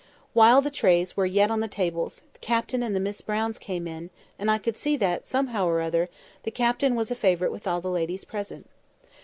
While the trays were yet on the tables, Captain and the Miss Browns came in; and I could see that, somehow or other, the Captain was a favourite with all the ladies present.